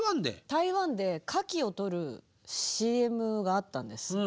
台湾でカキをとるＣＭがあったんです。